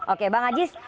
oke bang ajis